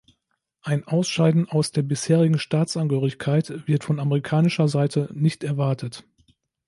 Ein Ausscheiden aus der bisherigen Staatsangehörigkeit wird von amerikanischer Seite nicht erwartet.